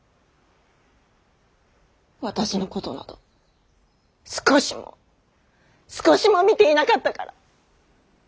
私のことなど少しも少しも見ていなかったから。